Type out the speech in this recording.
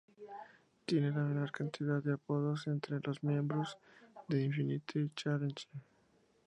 Tiene la menor cantidad de apodos entre los miembros de "Infinite Challenge".